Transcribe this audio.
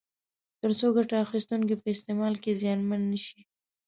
تر څو ګټه اخیستونکي په استعمال کې زیانمن نه شي.